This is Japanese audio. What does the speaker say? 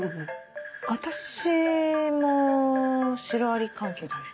私もシロアリ関係だね。